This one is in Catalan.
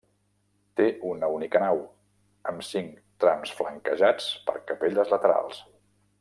Té una única nau, amb cinc trams flanquejats per capelles laterals.